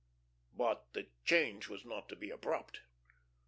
But the change was not to be abrupt.